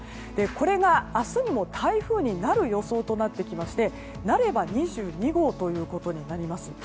これが明日にも台風になる予想となってきましてなれば、２２号ということになります。